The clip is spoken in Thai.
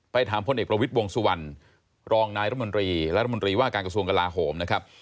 ไปถามพลเอกประวิทย์วงศัวร์วัลลองนายรมรีและรมรีว่าการกระทรวงกาลาโหมนะครับ